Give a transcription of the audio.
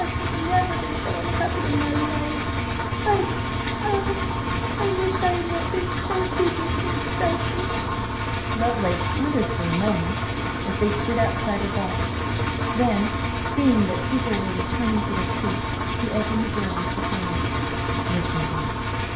I have never been so unhappy in my life! I–oh, I wish I had not been so heedless and selfish!" Lovelace pondered for a moment, as they stood outside her box; then, seeing that people were returning to their seats, he opened the door and took her in. "Listen, dear!